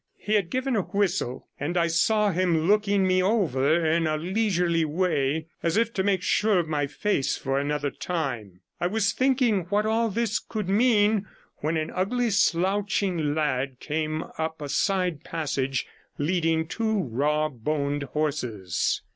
He had given a whistle, and I saw him looking me over in a leisurely way, as if to make sure of my face for another time. I was thinking what all this could mean when an ugly, slouching lad came up a side passage, leading two raw boned horses.